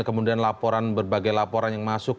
kemudian laporan berbagai laporan yang masuk